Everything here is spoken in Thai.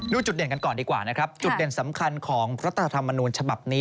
ดูจุดเด่นกันก่อนดีกว่านะครับจุดเด่นสำคัญของรัฐธรรมนูญฉบับนี้